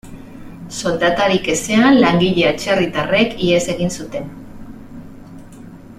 Soldatarik ezean, langile atzerritarrek ihes egin zuten.